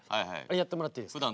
やってもらっていいですか？